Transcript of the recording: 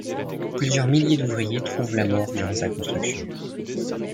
Plusieurs milliers d'ouvriers trouvent la mort durant sa construction.